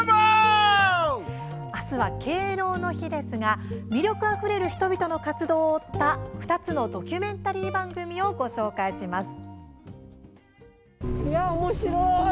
明日は敬老の日ですが魅力あふれる人々の活動を追った２つのドキュメンタリー番組をご紹介します。